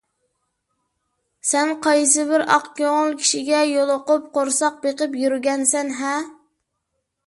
سەن قايسىبىر ئاق كۆڭۈل كىشىگە يولۇقۇپ، قورساق بېقىپ يۈرگەنسەن - ھە!